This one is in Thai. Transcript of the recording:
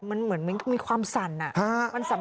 มันเหมือนมีความสั่น